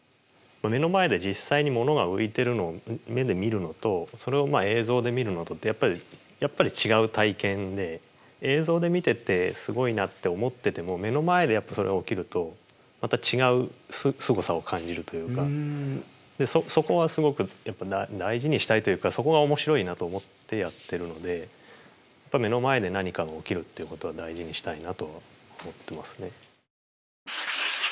目の前で実際にものが浮いてるのを目で見るのとそれを映像で見るのとってやっぱり違う体験で映像で見ててすごいなって思ってても目の前でやっぱそれが起きるとまた違うすごさを感じるというかでそこはすごく大事にしたいというかそこが面白いなと思ってやってるので目の前で何かが起きるっていうことは大事にしたいなとは思ってますね。